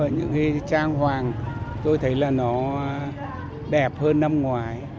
những trang hoàng tôi thấy là nó đẹp hơn năm ngoài